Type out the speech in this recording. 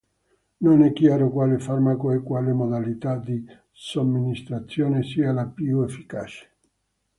Non è chiaro quale farmaco e quale modalità di somministrazione sia la più efficace.